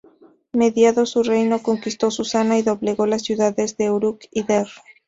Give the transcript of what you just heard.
Mediado su reinado conquistó Susa y doblegó las ciudades de Uruk y Der.